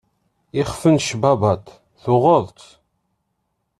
Ixef n cbabat tuɣeḍ-t.